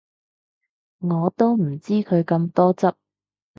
我都唔知佢咁多汁